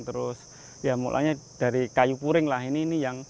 terus mulanya dari kayu puring lah ini